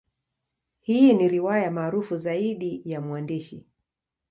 Hii ni riwaya maarufu zaidi ya mwandishi.